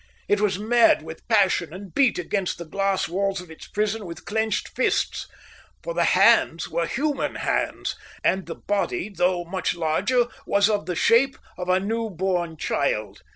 It was mad with passion and beat against the glass walls of its prison with clenched fists. For the hands were human hands, and the body, though much larger, was of the shape of a new born child.